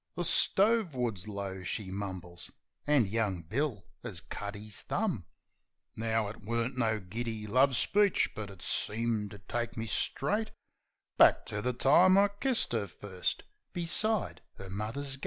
"The stove wood's low," she mumbles, "an' young Bill 'as cut 'is thumb," Now, it weren't no giddy love speech, but it seemed to take me straight Back to the time I kissed 'er first beside 'er mother's gate.